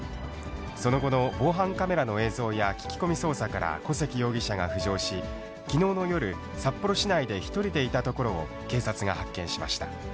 その後の防犯カメラの映像や聞き込み捜査から小関容疑者が浮上し、きのうの夜、札幌市内で１人でいたところを警察が発見しました。